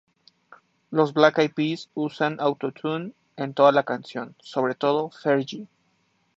Los Black Eyed Peas usan auto-tune en toda la canción, sobre todo Fergie.